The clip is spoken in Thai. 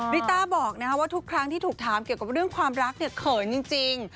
ริต้าบอกว่าทุกครั้งที่ถูกถามเกี่ยวกับเรื่องความรักเนี่ยเขินจริง